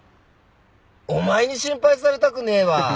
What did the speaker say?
お前に心配されたくねえわ！